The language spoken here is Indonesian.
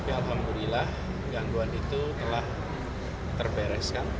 alhamdulillah gangguan itu telah terbereskan